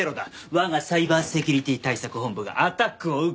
我がサイバーセキュリティ対策本部がアタックを受けた。